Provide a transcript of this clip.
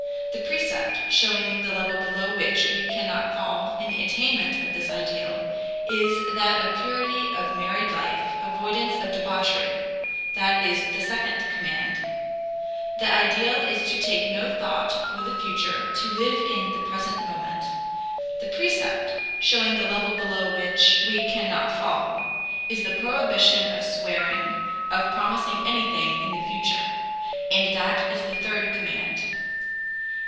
The precept, showing the level below which we cannot fall in the attainment of this ideal, is that of purity of married life, avoidance of debauchery. That is the second command. The ideal is to take no thought for the future, to live in the present moment. The precept, showing the level below which we cannot fall, is the prohibition of swearing, of promising anything in the future. And that is the third command.